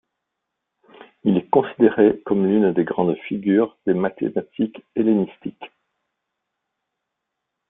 Il est considéré comme l'une des grandes figures des mathématiques hellénistiques.